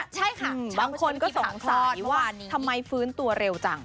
ใช่ค่ะบางคนก็สงสัยว่าทำไมฟื้นตัวเร็วจัง